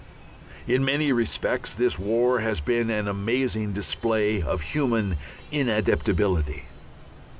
In many respects this war has been an amazing display of human inadaptability.